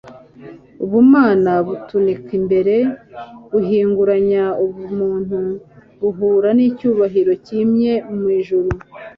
Ubumana butunika imbere, buhingurariya ubumuntu buhura n'icyubahiro kimye mu ijuru.